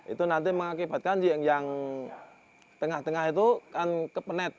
itu nanti mengakibatkan yang tengah tengah itu kan kepenet